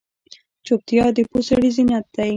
چوپتیا، د پوه سړي زینت دی.